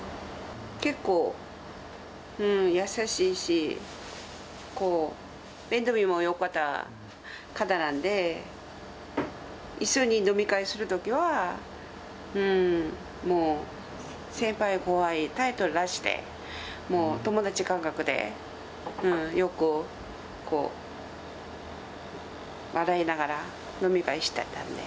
結構、優しいし、こう、面倒見もよかった方なんで、一緒に飲み会するときは、もう先輩後輩対等で、もう、友達感覚で、よく笑いながら、飲み会してたね。